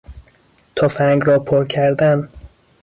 تفنگ را پر کردن